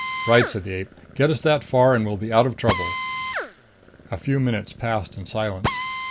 "Right," said the ape. "Get us that far and we'll be out of trouble." A few minutes passed in silence.